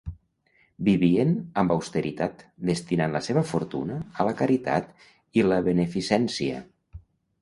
Vivien amb austeritat, destinant la seva fortuna a la caritat i la beneficència.